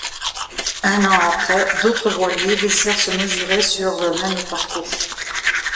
Un an après, d'autres voiliers désirent se mesurer sur ce même parcours.